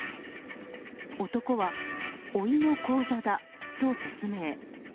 男は、おいの口座だと説明。